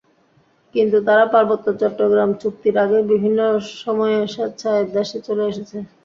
কিন্তু তারা পার্বত্য চট্টগ্রাম চুক্তির আগেই বিভিন্ন সময়ে স্বেচ্ছায় দেশে চলে এসেছে।